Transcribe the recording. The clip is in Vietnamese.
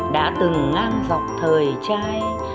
đã từng ngang dọc thời trai